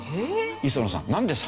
磯野さん。